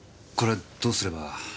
これどうすれば？